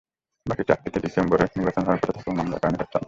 বাকি চারটিতে ডিসেম্বরে নির্বাচন হওয়ার কথা থাকলেও মামলার কারণে হচ্ছে না।